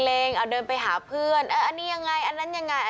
เอาเดินไปหาเพื่อนเอออันนี้ยังไงอันนั้นยังไง